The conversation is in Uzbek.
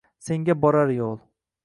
senga borar yoʼl